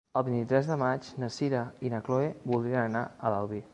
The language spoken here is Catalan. El vint-i-tres de maig na Sira i na Chloé voldrien anar a l'Albi.